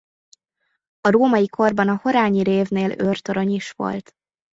A római korban a horányi révnél őrtorony is volt.